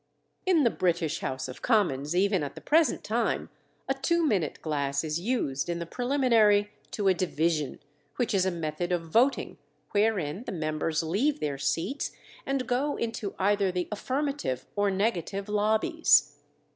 In the British House of Commons, even at the present time, a two minute glass is used in the preliminary to a "division," which is a method of voting wherein the members leave their seats and go into either the affirmative or negative lobbies.